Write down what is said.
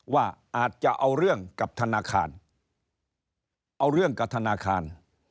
ว่าอาจจะเอาเรื่องกับธนาคาร